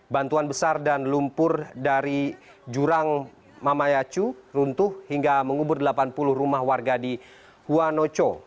bantuan besar dan lumpur dari jurang mamayacu runtuh hingga mengubur delapan puluh rumah warga di huanocho